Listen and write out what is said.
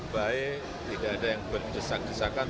baik tidak ada yang berjesak jesakan